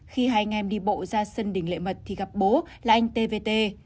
khi hai anh em đi bộ ra sân đình lệ mật thì gặp bố là anh t vt